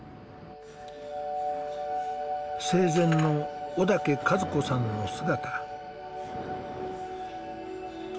生前の小竹和子さんの姿。